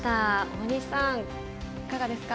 大西さん、いかがですか？